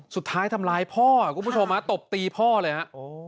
สุดท้ายทำร้ายพ่อคุณผู้ชมตบตีพ่อเลยฮะ